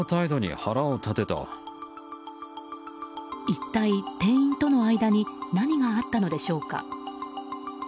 一体、店員との間に何があったのでしょうか。